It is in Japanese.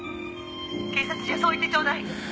「警察じゃそう言ってちょうだい」